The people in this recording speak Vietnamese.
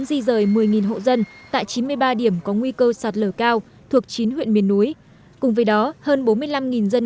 di rời một mươi hộ dân tại chín mươi ba điểm có nguy cơ sạt lở cao thuộc chín huyện miền núi cùng với đó hơn bốn mươi năm dân